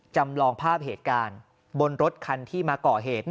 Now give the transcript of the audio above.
จำลองภาพเหตุการณ์บนรถคันที่มาก่อเหตุ